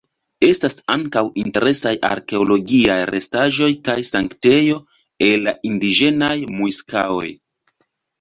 Estas ankaŭ interesaj arkeologiaj restaĵoj kaj sanktejo el la indiĝenaj mŭiska-oj.